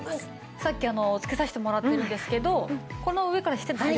さっきつけさせてもらってるんですけどこの上からして大丈夫ですか？